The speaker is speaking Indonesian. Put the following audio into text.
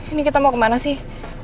ini kita mau kemana sih